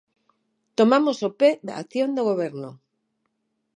Tomamos o pé da acción do Goberno.